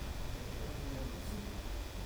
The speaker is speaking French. On n'aua pas le temps d'y aller ? Si !